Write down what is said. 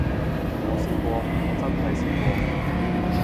我試過，我真係試過